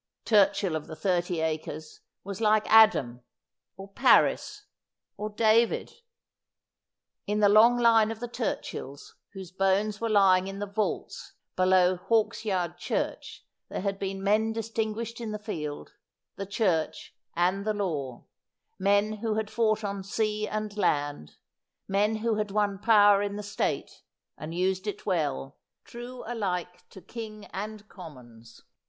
Turchill of the thirty acres was like Adam, or Paris, or David. In the long line of the Turchills whose bones were lying in the vaults below Hawksyard Church there had been men distinguished in the field, the Church, and the law ; men who had fought on sea and land ; men who had won power in the State, and used it well, true alike to king and commons.